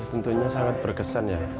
tentunya sangat berkesan ya